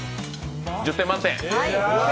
１０点満点。